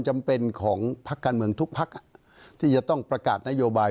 จำเป็นของพักการเมืองทุกพักที่จะต้องประกาศนโยบาย